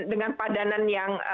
dengan padanan yang